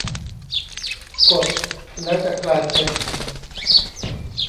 กด แล้วจะกลายเป็น